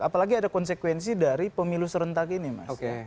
apalagi ada konsekuensi dari pemilu serentak ini mas